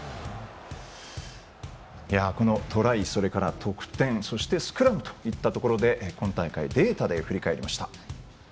このトライ、それから得点そしてスクラムといったところを今大会のデータで振り返りました。